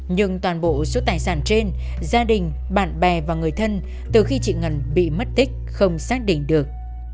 nhưng toàn bộ số tài sản trên gia đình bạn bè và người thân từ khi chị ngân bị mất tích không xác định được